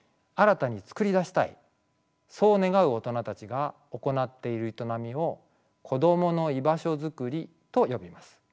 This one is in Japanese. そう願う大人たちが行っている営みをこどもの居場所づくりと呼びます。